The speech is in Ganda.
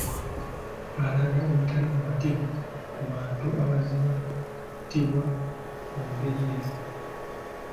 Alaga obutali bumativu ku bantu abazze battibwa mu ngeri eno.